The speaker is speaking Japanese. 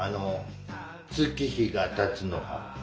月日がたつのが。